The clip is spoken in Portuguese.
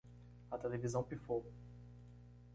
A televisão pifou